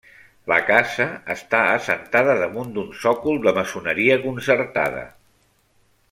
La casa està assentada damunt d'un sòcol de maçoneria concertada.